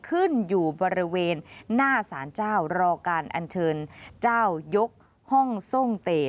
ขึ้นอยู่บริเวณหน้าสารเจ้ารอการอัญเชิญเจ้ายกห้องทรงเต